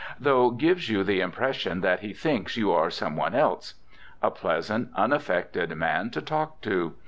Though gives you the impression that he thinks you are some one else. A pleasant, unaffected man to talk to.